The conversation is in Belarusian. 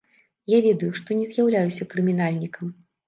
Я ведаю, што не з'яўляюся крымінальнікам.